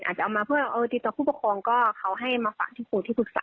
อาจจะเอามาเพื่อติดต่อผู้ปกครองก็เขาให้มาฝากที่ครูที่ปรึกษา